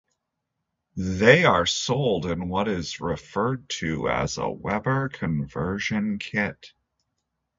They are sold in what is referred to as a Weber Conversion kit.